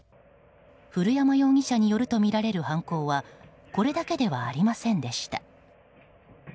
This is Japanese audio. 古山容疑者によるとみられる犯行はこれだけではありませんでした。